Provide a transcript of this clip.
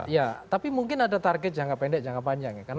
ya tapi mungkin ada target jangka pendek jangka panjang ya